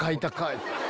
って。